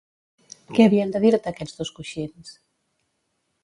Què havien de dir-te aquests dos coixins?